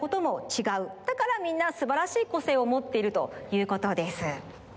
だからみんなすばらしいこせいをもっているということです。